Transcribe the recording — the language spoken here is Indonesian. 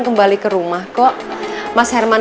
kembali ke rumah kok mas herman